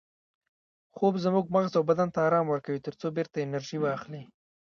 خوب زموږ مغز او بدن ته ارام ورکوي ترڅو بیرته انرژي واخلي